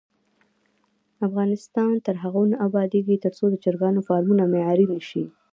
افغانستان تر هغو نه ابادیږي، ترڅو د چرګانو فارمونه معیاري نشي.